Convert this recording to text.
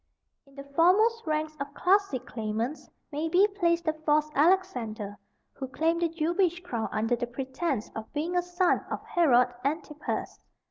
In the foremost ranks of classic claimants may be placed the false Alexander, who claimed the Jewish crown under the pretence of being a son of Herod Antipas.